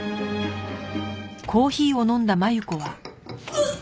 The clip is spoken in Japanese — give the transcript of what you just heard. うっ！